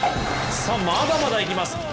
まだまだいきます！